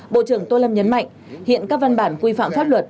bộ trưởng tô lâm nhấn mạnh hiện các văn bản quy phạm pháp luật